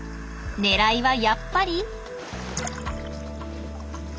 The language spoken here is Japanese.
狙いはやっぱり。